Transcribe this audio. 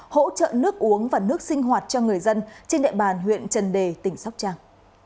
hỗ trợ nước uống và nước sinh hoạt cho người dân trên địa bàn huyện trần đề tỉnh sóc trăng